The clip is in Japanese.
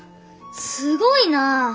すごいな！